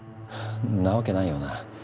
んなわけないよな。